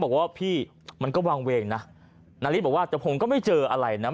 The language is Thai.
บอกว่าพี่มันก็วางเวงนะนาริสบอกว่าแต่ผมก็ไม่เจออะไรนะ